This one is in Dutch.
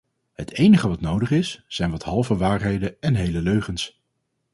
Het enige wat nodig is, zijn wat halve waarheden en hele leugens.